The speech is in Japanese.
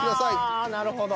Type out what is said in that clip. ああなるほど。